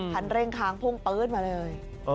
คันเร่งค้างพุ่งปื๊ดมาเลย